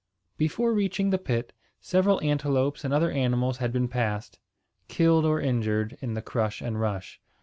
Before reaching the pit, several antelopes and other animals had been passed, killed or injured in the crush and rush.